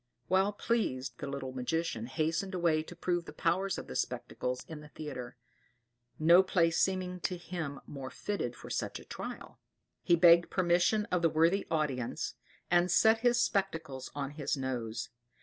Well pleased the little magician hastened away to prove the powers of the spectacles in the theatre; no place seeming to him more fitted for such a trial. He begged permission of the worthy audience, and set his spectacles on his nose.